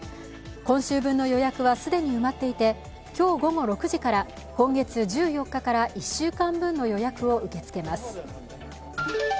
今週分の予約は既に埋まっていて、今日午後６時から今月１４日から１週間分の予約を受け付けます。